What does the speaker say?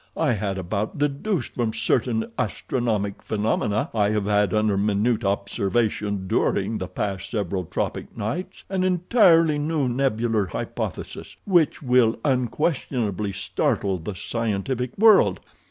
I had about deduced from certain astronomic phenomena I have had under minute observation during the past several tropic nights an entirely new nebular hypothesis which will unquestionably startle the scientific world.